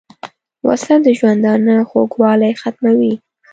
وسله د ژوندانه خوږوالی ختموي